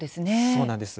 そうなんです。